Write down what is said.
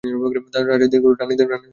রাজা দীর্ঘজীবী হোক, রাণী দীর্ঘজীবী হোক।